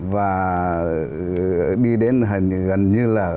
và đi đến gần như là